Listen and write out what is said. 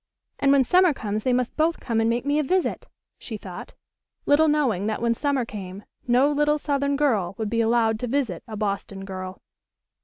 "And when summer comes they must both come and make me a visit," she thought, little knowing that when summer came no little southern girl would be allowed to visit a Boston girl.